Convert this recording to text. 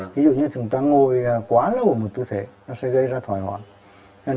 ví dụ như chúng ta ngồi quá lâu ở một tư thế nó sẽ gây ra thói hóa